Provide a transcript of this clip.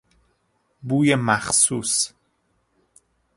بوی مخصوص